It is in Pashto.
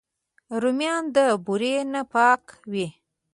رومیان د بورې نه پاک وي